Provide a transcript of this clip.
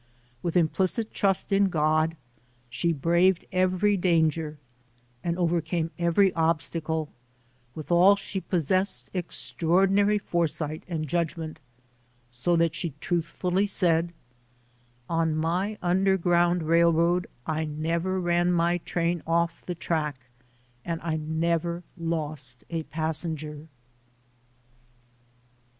With implicit trust in God, she braved every danger and overcame every obstacle; withal she possessed extraordinary foresight and judgment, so that she truthfully said, "On my underground railroad I never ran my train off the track and I never lost a passenger."